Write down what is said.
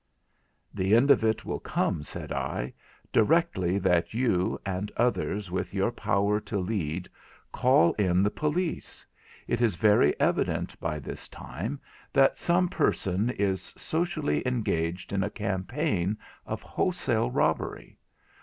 'The end of it will come,' said I, 'directly that you, and others with your power to lead, call in the police. It is very evident by this time that some person is socially engaged in a campaign of wholesale robbery.